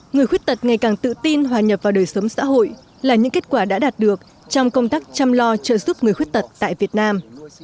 người khuyết tật ngày càng tự tin hòa nhập vào đời sống xã hội là những kết quả đã đạt được trong công tác chăm lo trợ giúp người khuyết tật tại việt nam